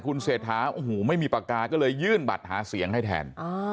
คุณเศรษฐาโอ้โหไม่มีปากกาก็เลยยื่นบัตรหาเสียงให้แทน